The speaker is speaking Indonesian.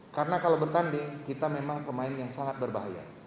karena kalau bertanding kita memang pemain yang sangat berbahaya